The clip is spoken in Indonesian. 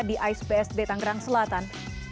di aisbsd tanggerang selatan